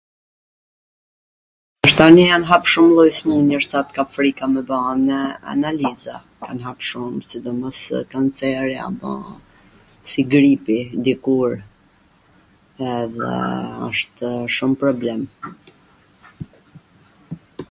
tani jan hap shum lloj smundjesh sa t kap frika me baa njw analiza, jan hap shum sidomos kanceri apo si gripi dikur edhe wshtw shum problem